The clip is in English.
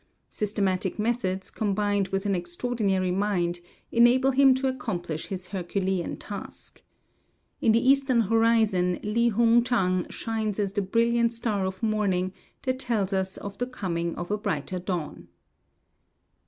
Systematic methods, combined with an extraordinary mind, enable him to accomplish his herculean task. In the eastern horizon Li Hung Chang shines as the brilliant star of morning that tells of the coming of a brighter dawn.